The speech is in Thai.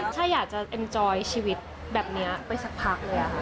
ชาติอยากจะควบคุมชีวิตแบบนี้ไปสักพักเลยค่ะ